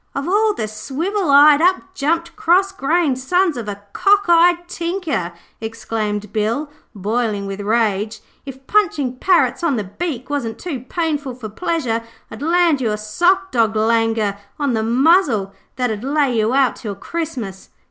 'Of all the swivel eyed, up jumped, cross grained, sons of a cock eyed tinker,' exclaimed Bill, boiling with rage. 'If punching parrots on the beak wasn't too painful for pleasure, I'd land you a sockdolager on the muzzle that 'ud lay you out till Christmas.